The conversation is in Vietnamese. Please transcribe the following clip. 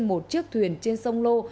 một chiếc thuyền trên sông lô